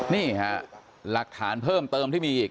นี่ฮะหลักฐานเพิ่มเติมที่มีอีก